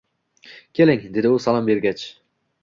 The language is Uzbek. Keling, dedi u salom bergach